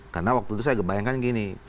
karena waktu itu saya bayangkan gini